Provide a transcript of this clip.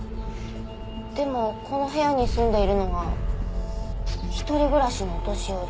でもこの部屋に住んでいるのは一人暮らしのお年寄り。